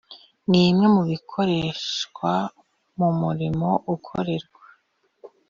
Nimwe mu bikoreshwa mu murimo ukorerwa